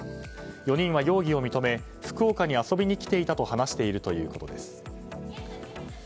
４人は、容疑を認め福岡に遊びに来ていたと話しているということです。